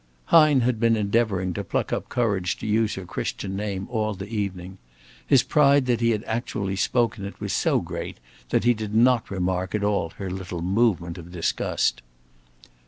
Hine had been endeavoring to pluck up courage to use her Christian name all the evening. His pride that he had actually spoken it was so great that he did not remark at all her little movement of disgust.